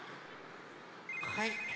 はい。